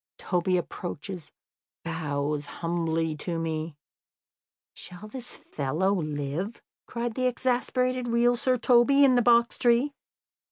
Toby approaches, bows humbly to me " "Shall this fellow live?" cried the exasperated real Sir Toby in the box tree.